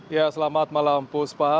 ya selamat malam puspa